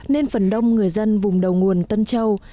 nên phần đông người dân vùng đầu nguồn tân châu